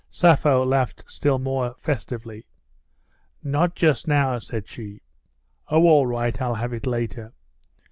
Sappho laughed still more festively. "Not just now," said she. "Oh, all right, I'll have it later."